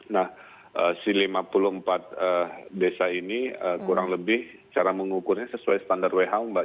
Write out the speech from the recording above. nah si lima puluh empat desa ini kurang lebih cara mengukurnya sesuai standar who mbak